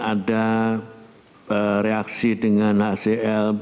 ada reaksi dengan hcl